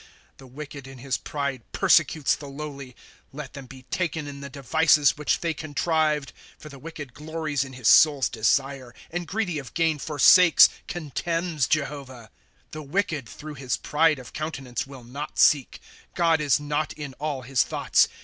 2 The wicked in his pride persecutes the lowly ; Let them be taken in the devices which they contrived. ' For the wicked glories in his soul's desire. And greedy of gain forsakes, contemns Jehovah. ./Google PSALMS. " The wicked, through his pride of countenance, will not seek ; God is not in all his thoughts.